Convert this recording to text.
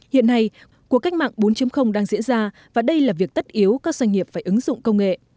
hiện nay cuộc cách mạng bốn đang diễn ra và đây là việc tất yếu các doanh nghiệp phải ứng dụng công nghệ